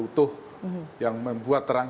utuh yang membuat terang